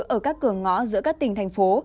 ở các cửa ngõ giữa các tỉnh thành phố